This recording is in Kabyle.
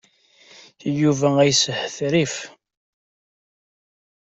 Yuba a yeshetrif.